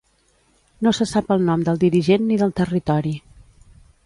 No se sap el nom del dirigent ni del territori.